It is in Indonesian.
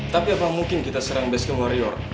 tapi apa mungkin kita serang basecamp warrior